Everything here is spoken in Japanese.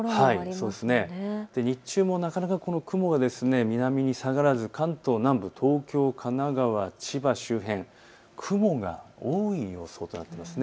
そして日中もなかなか雲が南に下がらず関東南部、東京、神奈川、千葉周辺、雲が多い予想となっています。